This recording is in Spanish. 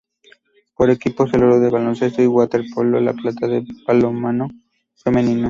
Por equipos, el oro en baloncesto y waterpolo y la plata en balonmano femenino.